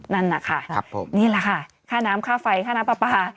นั่นนะคะนี่แหละค่ะค่าน้ำค่าไฟค่าน้ำปลาปลา